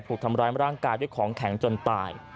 ถูกทำร้ายร่างกายด้วยของแข็งจนตาย